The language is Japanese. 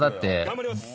頑張ります！